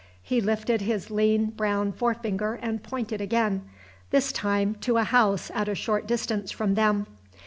He lifted his lean brown forefinger and pointed again this time to a house at a short distance from them.